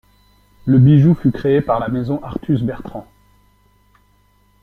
Le bijou fut créé par la Maison Arthus-Bertrand.